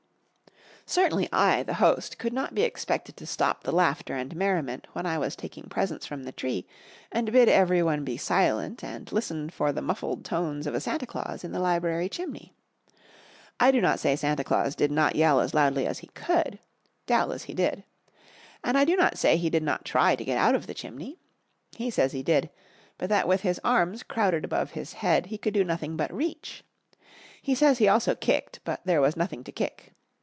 Certainly I, the host, could not be expected to stop the laughter and merriment when I was taking presents from the tree, and bid every one be silent and listen for the muffled tones of a Santa Claus in the library chimney. I do not say Santa Claus did not yell as loudly as he could. Doubtless he did. And I do not say he did not try to get out of the chimney. He says he did, but that with his arms crowded above his head he could do nothing but reach. He says he also kicked, but there was nothing to kick.